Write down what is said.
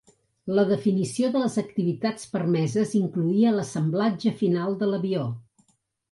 La definició de les activitats permeses incloïa l'assemblatge final de l'avió.